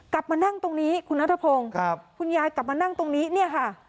กลับมานั่งตรงนี้คุณนัทพงศ์ครับคุณยายกลับมานั่งตรงนี้เนี่ยค่ะ